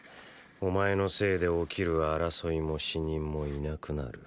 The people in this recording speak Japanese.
お前のせいで起きる争いも死人もいなくなる。